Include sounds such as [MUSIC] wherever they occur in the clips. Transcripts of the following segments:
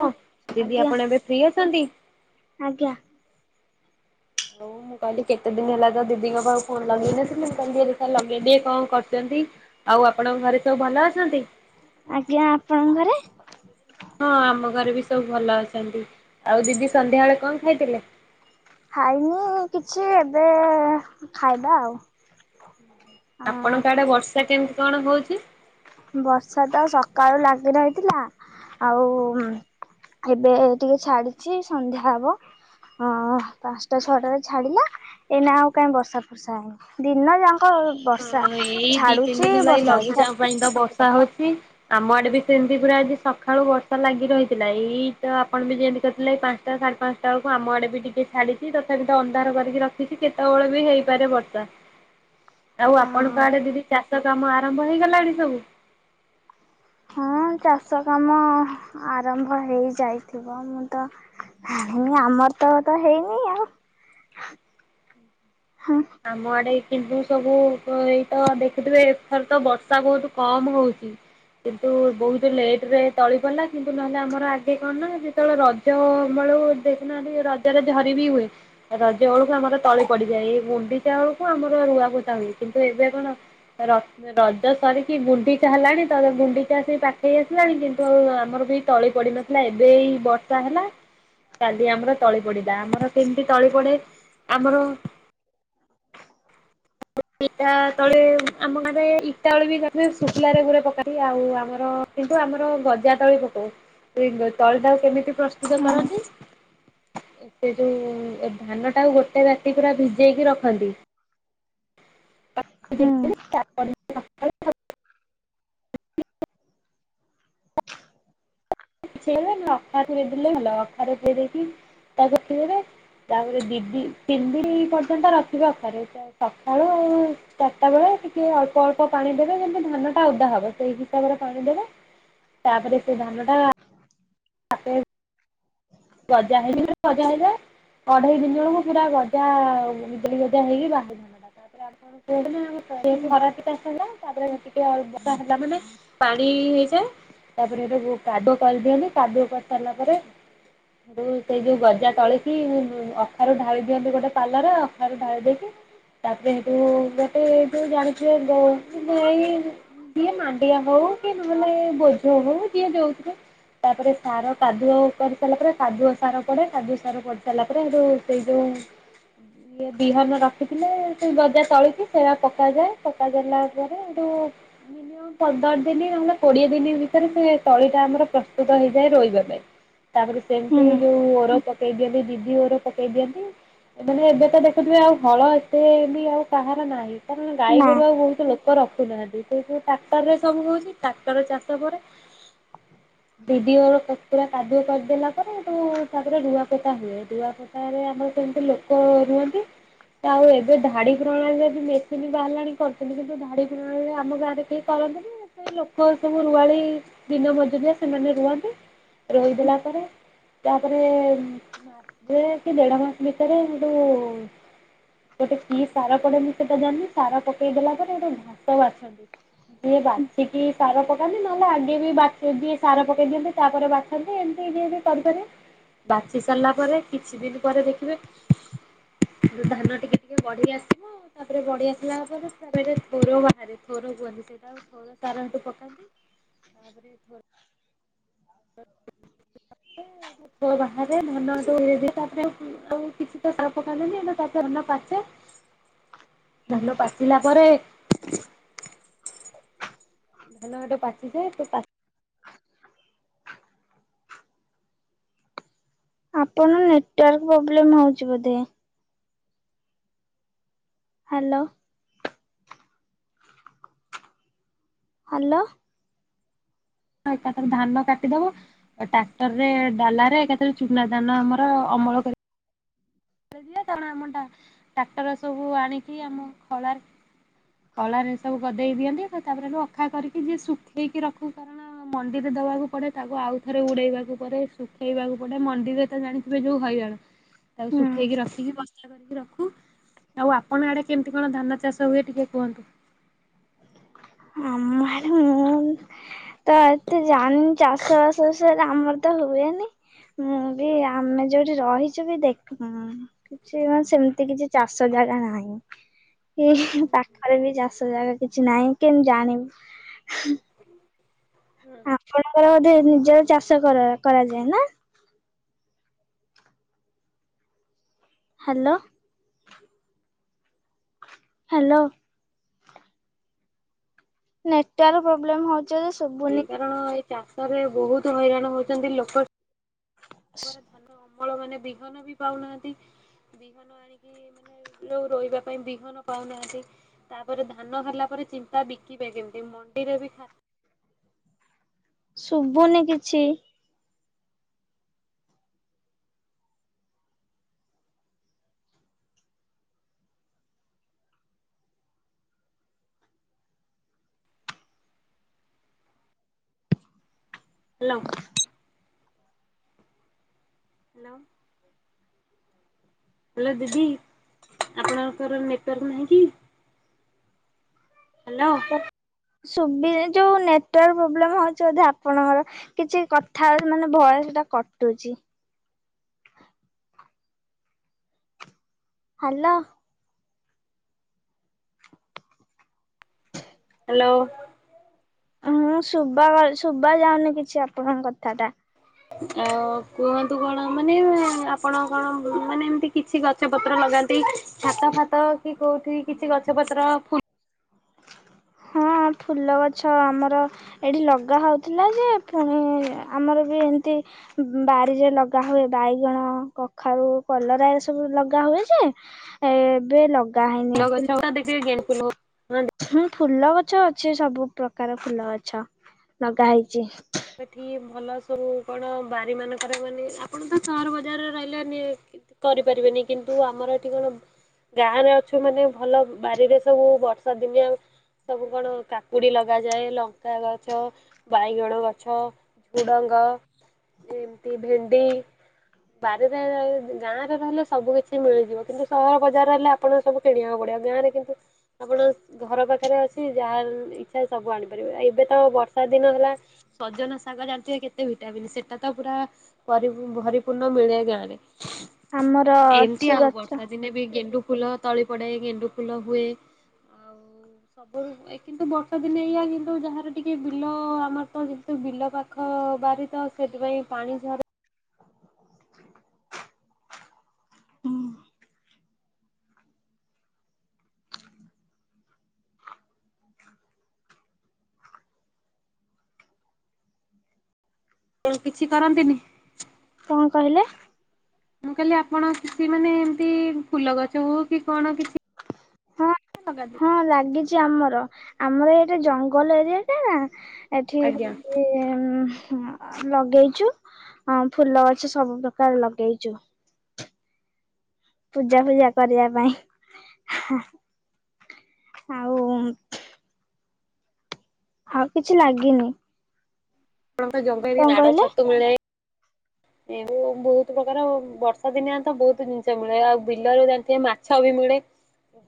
ହଁ ଦିଦି ଆଜ୍ଞା ଆପଣ ଏବେ ଫ୍ରି ଅଛନ୍ତି? ଆଜ୍ଞା। ହଉ ମୁଁ କହିଲି କେତେ ଦିନ ହେଲା ତ ଦିଦିଙ୍କ ପାଖକୁ ଫୋନ ଲଗେଇ ନଥିଲି ମୁଁ କହିଲି ଟିକେ ଦେଖିଆ ଲଗେଇଦିଏ କଣ କରୁଛନ୍ତି। ଆଉ ଆପଣଙ୍କ ଘରେ ସବୁ ଭଲ ଅଛନ୍ତି? ଆଜ୍ଞା ଆପଣଙ୍କ ଘରେ? ହଁ ଆମ ଘରେ ବି ସବୁ ଭଲ ଅଛନ୍ତି। ଆଉ ଦିଦି ସନ୍ଧ୍ୟାବେଳେ କଣ ଖାଇଥିଲେ? ଖାଇନି କିଛି ଏବେ ଖାଇବା ଆଉ। ଅ ଆପଣଙ୍କ ଆଡେ ବର୍ଷା କେମିତି କଣ ହୋଉଛି? ବର୍ଷା ତ ସକାଳୁ ଲାଗି ରହିଥିଲା ଆଉ ଏବେ ଟିକେ ଛାଡିଛି ସନ୍ଧ୍ୟା ହବ। ହଁ ପାଞ୍ଚଟା ଛଅଟାରେ ଛାଡିଲା। ଏଇନା ଆଉ କାହିଁ ବର୍ଷା ଫର୍ଷା ହେଇନି। ଦିନ ଯାକ ହଁ ବର୍ଷା ଏଇ ଦି ତିନି ଝାଡୁଛି ଦିନ ହେଲା ଏଇ ବର୍ଷା ଛା ଲଘୁଚାପ ପାଇଁ ତ ବର୍ଷା ହୋଉଛି। ଆମ ଆଡେ ବି ସେମିତି ପୁରା ଆଜି ସକାଳୁ ବର୍ଷା ଲାଗି ରହିଥିଲା ଏଇ ତ ଆପଣ ବି ଯେମିତି କରିଥିଲେ ଏଇ ପାଞ୍ଚଟା ସାଢେ ପାଞ୍ଚଟା ସେତବେଳକୁ ଆମ ଆଡେ ବି ଟିକେ ଛାଡିଛି ତଥାପି ଅନ୍ଧାର କରିକି ରଖିଛି କେତେବେଳେ ବି ହେଇପାରେ ବର୍ଷା। ଆଉ ଆପଣଙ୍କ ହଁ। ଆଡେ ଦିଦି ଚାଷ କାମ ଆରମ୍ଭ ହେଇଗଲାଣି ସବୁ? ହଁ ଚାଷ କାମ ଆରମ୍ଭ ହେଇଯାଇଥିବ ମୁଁ ତ ଆଉ ଆମର ତ ତ ହେଇନି ଆଉ। ହୁଁ [UNINTELLIGIBLE] ଆମ ଆଡେ କିନ୍ତୁ ସବୁ ଏଇତ ଦେଖୁଥିବେ ଏଥର ତ ବର୍ଷା ବହୁତ କମ ହୋଉଛି। କିନ୍ତୁ ବହୁତ ଲେଟ ରେ ତଳି ପଡ଼ିଲା କିନ୍ତୁ ନହେଲେ ଆମର ଆଗେ କଣ ନା ଯେତେବେଳେ ର ଯୋଉ ଅମଳୁ ଦେଖିନାହାନ୍ତି ରଜରେ ଝରି ବି ହୁଏ। ରଜ ବେଳକୁ ଆମର ତଳି ପଡିଯାଏ ଏଇ ଗୁଣ୍ଡିଚା ବେଳକୁ ଆମର ରୁଆପୋତା ହୁଏ। କିନ୍ତୁ ଏବେ କଣ ରଖ ରଜ ସରିକି ଗୁଣ୍ଡିଚା ହେଲାଣି ତ ଗୁଣ୍ଡିଚା ଆସି ପାଖେଇ ଆସିଲାଣି କିନ୍ତୁ ଆମର ବି ତଳି ପଡି ନଥିଲା। ସିନା ଏବେ ଏଇ ବର୍ଷ ତା ହେଲା କାଲି ଆମର ତଳି ପଡିଲା। ଆମର କେମିତି ତଳି ପଡେ ଆମର [UNINTELLIGIBLE] ଇଟା ତଳେ ଆମ ଗାଁରେ ଇଟା [UNINTELLIGIBLE] ବି ଶୁଖିଲାରେ ଗୁରେ ପକନ୍ତି ଆଉ ଆମର କିନ୍ତୁ ଆମର ଗଜା ତଳି ପକୋଉ। [UNINTELLIGIBLE] ତଳିଟା କେମିତି ପ୍ରସ୍ତୁତ ହୁଁ କରନ୍ତି ଏ ଯୋଉ ଧାନ ଟା ଗୋଟେ ରାତି ପୁରା ଭି ଭିଜେଇକି ରଖନ୍ତି। ହୁଁ [UNINTELLIGIBLE] କିଛି ହେଲେ ଅଖାରେପୁରେଇଦେଲେ ଭଲ ଅଖାରେ ଦେଇ ଦେଇକି ତାକୁ ରଖିଦେବେ। ତାପରେ ଦି ଦି ତିନି ଦି ପର୍ଯ୍ୟନ୍ତ ରଖିବେ ଅଖରେ ସକାଳୁ। ଚାରିଟା ବେଳେ ଟିକେ ଅଳ୍ପ ଅଳ୍ପ ପାଣି ଦେବେ ଯେମିତି ଧାନ ଟା ଓଦା ହବ ସେଇ ହିସାବରେ ପାଣି ଦେବେ। ତାପରେ ସେ ଧାନ ଟା ଆପେ [INAUDIBLE] ଅଢେଇ ଦିନ ବେଳକୁ ପୁରା ଗଜା ବିଜେଳି ଗଜା ହେଇକି ବାହାରେ ଧାନ। [INAUDIBLE] ବର୍ଷା ହେଲା ତାପରେ ଟିକେ ବର୍ଷା ହେଲା ମାନେ ପାଣି ହେଇଯାଏ। ତାପରେ ହେଟୁ କାଦୁଅ କରିଦିଅନ୍ତି କାଦୁଅ କରିସାରିଲା ପରେ। ହେଠୁ ସେଇ ଯୋଉ ଗଜା ତଳିକି ଅଖାରୁ ଢାଳି ଦିଅନ୍ତି ଗୋଟେ ପାଲରରେ ଅଖାରୁ ଢାଳି ଦେଇକି। ତାପରେ ହେଠୁ [INAUDIBLE] ଯିଏ ମାଣ୍ଡିଆ ହଉ କି ନହେଲେ ବୋଝ ହଉ ଯିଏ ଯଉଥିରେ। ତାପରେ ସାର କାଦୁଅ କରି ସାରିଲା ପରେ କାଦୁଅ ସାର ପଡେ କାଦୁଅ ସାର ପଡି ସାରିଲା ପରେ ଏଉ ସେଇ ଯୋଉ ବିହନ ରଖିଥିଲେ ସେ ଗଜା ତଳିକି ସେଇଆ ପକାଯାଏ ପକାଗଲା ପରେ ଏଇଠୁ ମିନିମମ୍ ପନ୍ଦର ଦିନ ନହେଲେ କୋଡିଏ ଦିନ ଭିତରେ ସେ ତଳି ଟା ଆମର ପ୍ରସ୍ତୁତ ହେଇଯାଏ ରଇ ବା ପାଇଁ। ତାପରେ ସେମିତି ହୁଁ। ଯୋଉ ଓର ପକେଇ ଦିଅନ୍ତି ଦିଦି ଓର ପକେଇ ଦିଅନ୍ତି। ମାନେ ଏବେ ତ ଦେଖୁଥିବେ ଆଉ ହଳ ଏତେ ବି ଆଉ କାହାର ନାହିଁ କାର ଣ ନା ଗାଈଗୋରୁ ଆଉ ବହୁତଲୋକ ଲୋକ ରଖୁନାହାନ୍ତି କି ଟ୍ରାକ୍ଟରରେ ସବୁ ହଉଛି ଟ୍ରାକ୍ଟର ଚାଷ ପରେ। ପିଡିଓର କତୁରା କାଦୁଅ କରିଦେଲା। ତାପରେ ହେଠୁ ତାପରେ ରୁଆପୋଟା ହୁଏ ରୁଆପୋଟାରେ ଆମର କେମିତି ଲୋକ ରୁଅନ୍ତି। ଆଉ ଏବେ ଧାଡି ପ୍ରଣାଳୀରେ ଯୋଉ ମେସିନ୍ ବାହାରିଲଣି କରିୁଛନ୍ତି କିନ୍ତୁ ଧାଡି ପ୍ରଣାଳୀ ରେ ଆମ ଗାଁରେ କେହି କରନ୍ତିନି ସେଇ ଲୋକ ସବୁ ରୁଆଳି ଦିନ ମଜୁରିଆ ସେମାନେ ରୁଅନ୍ତି। ରୋଇଦେଲା ପରେ। ତାପରେ ମାସେ କି ଦେଢ ମାସ ଭିତରେ ଯୋଉ ଗୋଟେ କି ସାର ପଡେ ମୁଁ ସେଟା ଜାନି ସାର ପକେଇ ଦେଲା ପରେ ଗୋଟେ ଘାସ ବାଛନ୍ତି। ଯିଏ ବାଛିକି ସାର ପକାନ୍ତି ନହେଲେ ଆଗେ ବି ବା ଦିଏ ସାର ପକେଇ ଦିଅନ୍ତି ତାପରେ ବାଛ ହେଲେ ଏମିତି ଯିଏ କରିପାରିବେ ବାଛି ସାରିଲା ପରେ କିଛି ଦିନ ପରେ ଦେଖିବେ। ଧାନ ଟିକେ ଟିକେ ବଢି ଆସିବ। ତାପରେ ବଢିଆସିଲା ପରେ ତାପରେ ଥୋର ବାହାରେ ଥୋର କୁହନ୍ତି ସେଇଟା ଥୋର ତାରଠୁ ପକାନ୍ତି ତାପରେ ଥୋର [UNINTELLIGIBLE] ଥୋର ବାହାରେ ଧାନ ଧୀରେ ଧୀରେ ତାପରେ ଆଉ କିଛି ତ ସାର ପକାନ୍ତିନି ତାପରେ ଧାନ ପାଚେ। ଧାନ ପାଚିଲା ପରେ। ଧାନ ହେଠୁ ପା ପଚି ଯାଏ ସେ ପା ଆପଣ ନେଟୱାର୍କ ପ୍ରୋବ୍ଲେମ ହଉଚି ବୋଧେ। ହାଲୋ। ହାଲୋ। ହଁ ତାପରେ ଧାନ କାଟିଦବ। ଟାକ୍ଟରରେ ଡାଲାରେ ଏକାଥରେ ଚୁନା ଦାନ ଆମର ଅମଳ କରି କିଏ [INAUDIBLE] ଆମ ଟା ଟାକ୍ଟର ସବୁ ଆଣିକି ଆମ ଖଳାରେ ଖଳାରେ ସବୁ ଗଦେଇ ଦିଅନ୍ତି ଆଉ ତାପରେ ଅଖା କରିକି ଯିଏ ଶୁଖେଇକି ରଖୁ କାରଣ ମଣ୍ଡିରେ ଦବାକୁ ପଡେ ତାକୁ ଆଉ ଥରେ ଉଡେଇବାକୁ ପଡେ ଶୁଖେଇବାକୁ ପଡେ ମଣ୍ଡିରେ ତ ଜାଣି ଏବେ ଯୋଉ ହଇରାଣ। ତାକୁ ହୁଁ ଶୁଖେଇକି ରଖିକି ବସ୍ତା ବାନ୍ଧିକି ରଖୁ। ଆଉ ଆପଣ ଆଡେ କେମିତି କଣ ଧାନ ଚାଷ ହୁଏ ଟିକେ କୁହନ୍ତୁ? ଆମ ଆରେ ମୁଁ ତ ଏତେ ଜାଣିନି ଚାଷବାସ ବିଷୟରେ। ଆମର ତ ହୁଏନି। ମୁଁ ବି ଆମେ ଯୋଉଠି ରହିଛୁ ବି ଦେଖିନୁ। [INAUDIBLE] ସେମିତି କିଛି ଚାଷ ଜାଗା ନାହିଁ। ଏଇ ପାଖରେ ବି ଚାଷ ଜାଗା କିଛି ନାହିଁ କେମତି ଜାଣିବୁ? ଆପଣଙ୍କର ବୋଧେ ନିଜର ଚାଷ କର କରାଯାଏ ନା? ହାଲୋ। ହାଲୋ। ନେଟିୱାର୍କ ପୋବ୍ଲେମ୍ ହଉଚି ବୋଧେ ଶୁଭୁନି। କଣ ଏଇ ଚାଷରେ ବହୁତୁ ହଇରାଣ ହଉଚନ୍ତି ଲୋକ ଅମଳ ମାନେ ବିହନ ବି ପାଉନାହାନ୍ତି ବିହନ ଆଣିକି ମାନେ ଯୋଉ ରୋଇବା ପାଇଁ ବିହନ ପାଉନାହାନ୍ତି। ତାପରେ ଧାନ ହେଲା ପରେ ଚିନ୍ତା ବିକିବେ କେମିତି? ମଣ୍ଡିରେ ବି ଶୁଭୁନି କିଛି। ହାଲୋ। ହାଲୋ। ହାଲୋ ଦିଦି ଆପଣଙ୍କର ନେଟୱାର୍କ ନାହିଁ କି? ହାଲୋ। ଶୁଭିଲେ ଯୋଉ ନେଟୱାର୍କ ପୋବ୍ଲେମେ ହୋଉଚି ବୋଧେ ଆପଣଙ୍କର। କିଛି କଥା ମାନେ ଭଏସ୍ ଟା କଟୁଚି। ହାଲୋ। ହାଲୋ। ମୁଁ ଶୁବାବା ଶୁବା ଯାଉନି କିଛି ଆପଣଙ୍କ କଥା ଟା। ଆଉ କୁହନ୍ତୁ କଣ? ମାନେ ଆପଣ କଣ ମାନେ ଏମତି କିଛି କଥା ଗଛ ପତ୍ର ଲଗାନ୍ତି ଛାତ ଫାତ କି କୋଉଠି କିଛି ଗଛ ପତ୍ର ଫୁଲ୍ ହଁ ଫୁଲ ଗଛ ଆମର ଏଠି ଲଗା ହଉଥିଲା ଯେ ପୁଣି ଆମର ବି ଏମିତି ବାରିରେ ଲଗା ହୁଏ ବାଇଗଣ କଖାରୁ କଲରା ଏ ସବୁ ଲଗା ହୁଏ ଯେ ଏବେ ଲଗ ଫୁଲଗଛ ଗୁଡା ଟିକିଏ [INAUDIBLE] ହୁଁ ଫୁଲ ଗଛ ଅଛି ସବୁ ପ୍ରକାର ଫୁଲ ଗଛ ଲଗା ହେଇଚି। ଏଠି ଭଲ ସବୁ କଣ ବାରି ମାନଙ୍କରେ ମାନେ ଆପଣ ତ ସହର ବଜାରରେ ରହିଲେ ନିହେଁକି। କରିପାରିବେନି କିନ୍ତୁ ଆମର ଏଠି କଣ ଗାଁ ରେ ଅଛୁ ମାନେ ଭଲ ବାରିରେ ସବୁ ବର୍ଷା ଦିନିଆ ସବୁ କଣ କାକୁଡି ଲଗାଯାଏ ଲଙ୍କା ଗଛ ବାଇଗଣ ଗଛ ଗଛ ଝୁଡ଼ଙ୍ଗ [INAUDIBLE] ଭେଣ୍ଡି। ବାରିରେ ର ଗାଁରେ ରହିଲେ ସବୁ କିଛି ମିଳିଯିବ କିନ୍ତୁ ସହର ବଜାର ରହିଲେ ଆପ୍ ଆପଣ ସବୁ କିଣିବାକୁ ପଡିବ ଗାଁ ରେ କିନ୍ତୁ ଆପଣ ଘର ପାଖରେ ଅଛି ଯାହା ଇଛା ସବୁ ଆଣିପାରିବେ ଏବେ ତ ବର୍ଷା ଦିନ ହେଲା। ସଜନା ଶାଗ ଜଣିଥିବେ କେତେ ଭିଟାମିନି ସେଇଟା ତ ପୁରା। ପରି ପୂ ଭରି ପୂର୍ଣ୍ଣ ମିଳେ ଏ ଗାଁ ରେ। ଆମର ଏମତି ଅଛି ଆଉ ଗଛ ବର୍ଷା ଦିନେ ବି ଗେଣ୍ଡୁ ଫୁଲ। ତଳି ପଡେ ଗେଣ୍ଡୁ ଫୁଲ ହୁଏ ଆ ସବୁ ଏ କିନ୍ତୁ ବର୍ଷା ଦିନେ ଏଇଆ କିନ୍ତୁ ଯାହାର ଟିକେ ବିଲ ଆମର ତ ତ ବିଲ ପାଖ ବାରି ତ ସେଥିପାଇଁ ପାଣି ଝର ଉଁ କିଛି କରନ୍ତିନି। କଣ କହିଲେ? ମୁଁ କହିଲି ଆପଣ କିଛି ମାନେ ଏମତି ଫୁଲ ଗଛ ହଉ କି କଣ କିଛି ହଁ ଲଗାନ୍ତି? ହଁ ଲାଗିଚି ଆମର ଆମର ଏଇଟି ଜଙ୍ଗଲ ଏରିଆ ଟେ ନା। ଏଠି ଆଜ୍ଞା ହଉଚି ଉଁ ହୁଁ। ଅ ଲଗେଇଚୁ ଅଁ ଫୁଲ ଗଛ ସବୁ ପ୍ରକାର ଲଗେଇଚୁ। ପୂଜା ଫୂଜା କରିଆ ପାଇଁ ହୁଁ। ଆଉ କିଛି ଲାଗିନି। କଣ ନାଡ କହିଲେ ଛତୁ ମିଳେ। ଏଣୁ ବହୁତ ପ୍ରକାର ବର୍ଷା ଦିନିଆ ତ ବହୁତ ଜିନିଷ ମିଳେ ଆଉ ବିଲରୁ ଜାଣିଥିବେ ମା ଛ ବି ମିଳେ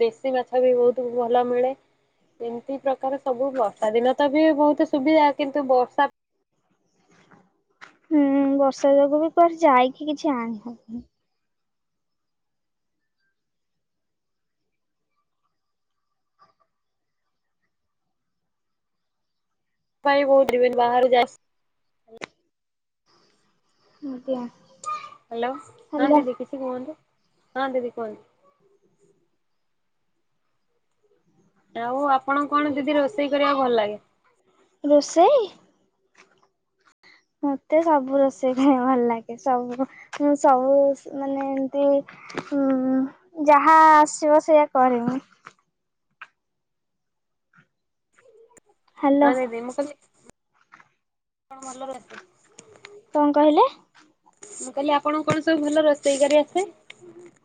ଦେଶୀ ମାଛ ବି ବହୁତ ଭଲ ମିଳେ। ଏମିତି ପ୍ରକାର ସବୁ ବର୍ଷା ଦିନ ତ ବି ବହୁତ ସୁବିଧା କିନ୍ତୁ ବର୍ଷା। ହୁଁ ବର୍ଷା ଯୋଗୁ ବି କୁଆଡେ ଯାଇକି କିଛି ଆଣି ହବନି। ପାଇଁ ବହୁତ ଯିବିନି ବାହାରୁ ଯା ଆଜ୍ଞା। ହ୍ୟାଲୋ ହଁ ହାଲୋ ଦିଦି କିଛି କୁହନ୍ତୁ ହଁ ଦିଦି କୁହନ୍ତୁ। ଆଉ ଆପଣଙ୍କୁ କଣ ଦିଦି ରୋଷେଇ କରିଆକୁ ଭଲ ଲାଗେ? ରୋଷେଇ? ମତେ ସବୁ ରୋଷେଇ ଖାଇଆ ଭଲ ଲାଗେ ସବୁ। ମୁଁ ସବୁ ମାନେ ଏମତି କି ଉଁ ଯାହା ଆସିବ ସେଇୟା କରିନି। ହଁ ହାଲୋ ଦିଦି ମୁଁ କହିଲି ଆପଣଙ୍କୁ ଭଲ ଆସେ। କଣ କହିଲେ? ମୁଁ କହିଲି ଆପଣଙ୍କୁ କଣ ସବୁ ଭଲ ରୋଷେଇ କରି ଆସେ?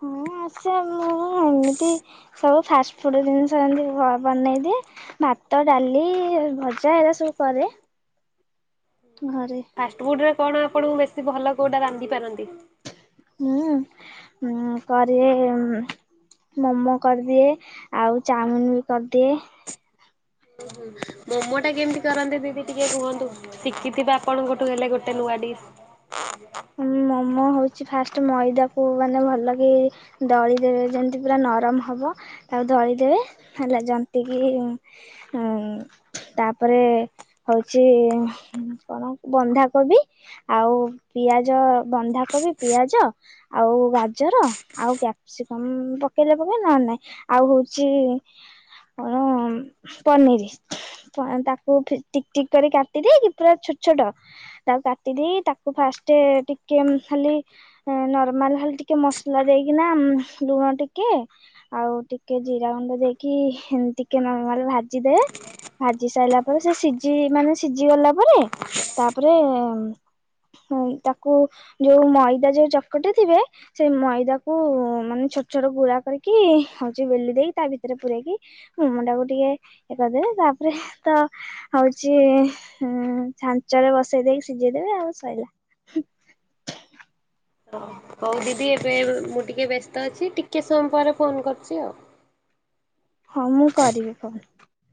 ହଁ ଆସେ ମୋର ଏମିତି ସବୁ ଫାଷ୍ଟଫୁଡ଼୍ ଜିନିଷ ଯେମତି ଘ ବନେଇ ଦିଏ। ଭାତ, ଡାଲି, ଭଜା ଏରା ସବୁ କରେ। ଘରେ। ଫାଷ୍ଟଫୁଡ ରେ କଣ ଆପଣଙ୍କୁ ବେଶୀ ଭଲ କୋଉଟା ରାନ୍ଧି ପାରନ୍ତି? ହୁଁ ଉଁ କରିବେ ଉମ୍ ମୋମୋ କରିଦିଏ ଆଉ ଚାଓମିିନ ବି କରିଦିଏ। ହୁଁ ହୁଁ ହୁଁ ମୋମ ଟା କେମିତି କରନ୍ତେ ଦିଦି ଟିକେ କୁହନ୍ତୁ। ଶିକିଥିବେ ଆପଣ ଗୋଟେ କହିଲେ ଗୋଟେ ନୂଆ ଡିସ୍। ହୁଁ ମୋମୋ ହଉଚି ଫାଷ୍ଟ ମଇଦାକୁ ମାନେ ଭଲ କି ଦଳି ଦେବେ ଯେମିଶତି ପୁରା ନରମ ହବ ତାକୁ ଦଳି ଦେବେ ହେଲା ଜ ନ୍ତିକି ହୁଁ। ତାପରେ ହଉଚି ହୁଁ କଣ ବନ୍ଧାକୋବି ଆଉ ପିଆଜ ବନ୍ଧାକୋବି ପିଆଜ ଆଉ ଗାଜର ଆଉ କ୍ୟାପସିକମ ପକେଇଲେ ପକେଇବେ ନହେଲେ ନାଇଁ। ଆଉ ହଉଚି ଅଁ ଉମ୍ ପନିର, ତାକୁ ଟିକ ଟିକ କରି କାଟିଦେଇକି ପୁରା ଛୋଟ ଛୋଟ ତାକୁ କାଟି ଦେଇ, ତାକୁ ଫାଷ୍ଟ ଟିକେ ଖାଲି ନର୍ମାଲ ହେଲେ ଟିକେ ମସଲା ଦେଇକିନା, ଲୁଣ ଟିକେ, ଆଉ ଟିକେ ଟିକେ ଜିରା ଗୁଣ୍ଡ ଦେଇକି, ଏମିତିି ଟିକେ ନର୍ମାଲ ଭାଜିଦେବେ ଭାଜି ସାରିଲା ପରେ, ସେ ସିଜି ମାନେ, ସିଝି ଗଲା ପରେ, ତାପରେ ହଁ, ତାକୁ ଯୋଉ ମଇଦା ଯୋଉ ଚକଟି ଥିବେ ସେ ମଇଦାକୁ ମାନେ ଛୋଟ ଛୋଟ ଗୁଳା କରିକି ହଉଚି ବେଲି ଦେଇକି, ତା ଭିତରେ ପୁରେଇକି ମୋମୋ ଟାକୁ ଟିକେ ଇଏ କରିଦେବେ, ତାପରେ ତ ହଉଚି ଇ, ଛାଞ୍ଚରେ ବସେଇ ଦେଇକି ସିଝେଇଦବେ ଆଉ ସଇଲା। [UNINTELLIGIBLE] ହଉ ଦିଦି, ଏବେ ମୁଁ ଟିକେ ବ୍ୟସ୍ତ ଅଛି, ଟିକେ ସମୟ ପରେ ଫୋନ କରୁଚି ଆଉ। ହଁ ମୁଁ କରିବି ଫୋନ।